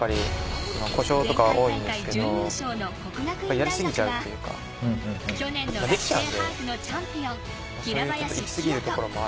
前回大会準優勝の國學院大學は去年の学生ハーフのチャンピオン平林清澄。